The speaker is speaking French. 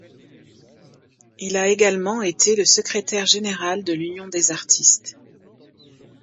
Il a également été le secrétaire-général de l'Union des artistes.